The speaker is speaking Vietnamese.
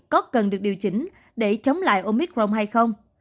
có cần được điều chỉnh để chống lại omicron hay không